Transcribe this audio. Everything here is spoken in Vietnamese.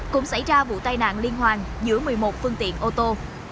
cũng xảy ra vụ tai nạn liên hoàn giữa một mươi một phương tiện ô tô